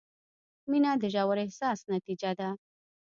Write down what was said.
• مینه د ژور احساس نتیجه ده.